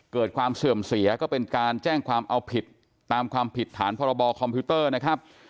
เกิดความเสื่อมเสียก็เป็นการแจ้งความเอาผิดตามความผิดฐานพรบคอมพิวเตอร์นะครับ